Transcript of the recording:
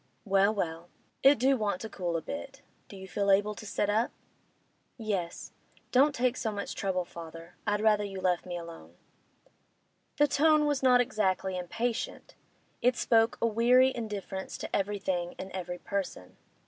'Well, well; it do want to cool a bit. Do you feel able to sit up?' 'Yes. Don't take so much trouble, father. I'd rather you left me alone.' The tone was not exactly impatient; it spoke a weary indifference to everything and every person.